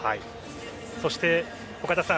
そして岡田さん